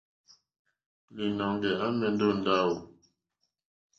Līnɔ̄ŋgɛ̄ à mɛ̀ndɛ́ ó ndáwù.